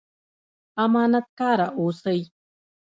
امانت کاره اوسئ